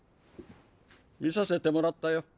みさせてもらったよ。